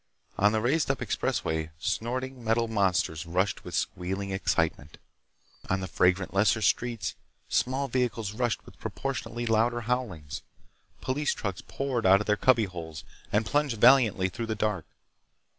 On the raised up expressway snorting metal monsters rushed with squealing excitement. On the fragrant lesser streets, small vehicles rushed with proportionately louder howlings. Police trucks poured out of their cubbyholes and plunged valiantly through the dark.